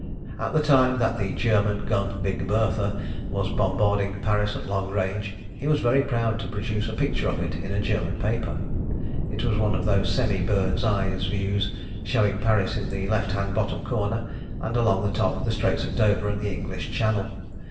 At the time that the German gun "Big Bertha" was bombarding Paris at long range, he was very proud to produce a picture of it in a German paper. It was one of those semi bird's eye views, showing Paris in the left hand bottom corner, and along the top the Straits of Dover and the English Channel.